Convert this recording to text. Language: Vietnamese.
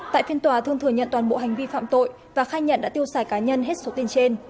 tại phiên tòa thương thừa nhận toàn bộ hành vi phạm tội và khai nhận đã tiêu xài cá nhân hết số tiền trên